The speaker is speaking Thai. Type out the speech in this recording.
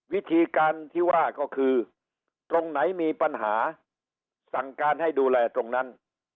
วิธีการที่ว่าก็คือตรงไหนมีปัญหาสั่งการให้ดูแลตรงนั้น